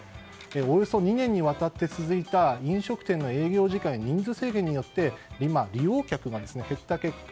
およそ２年にわたって続いた飲食店の営業時間や人数制限によって利用客が減った結果